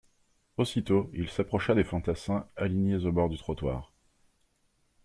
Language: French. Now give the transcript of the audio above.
Aussitôt il s'approcha des fantassins alignés au bord du trottoir.